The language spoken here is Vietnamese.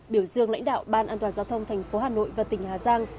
biểu dương lãnh đạo ban an toàn giao thông thành phố hà nội và tỉnh hà giang